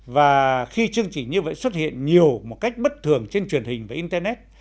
và khi chương trình như vậy xuất hiện nhiều một cách bất thường trên truyền hình và internet